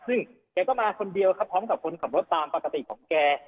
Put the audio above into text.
ซึ่งแกก็มาคนเดียวครับพร้อมกับคนขับรถตามปกติของแก